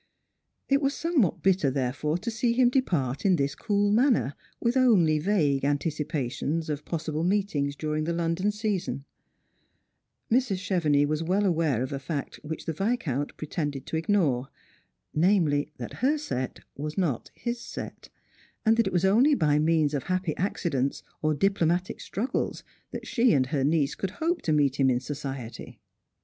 It was somewhat bitter therefore to see him depart in this cool manner, with only vague anticipa tions of possible meetinits during the London season. I^IrB. Strangerg and 'JPilgrims. 119 Chevenix was well aware of a fact which the Viscount pre tcuded to ignore, namely, that her set was not his set, and that it was only by means of happy accidents or diplomatic struggles that she and her niece could hope to meet him in society.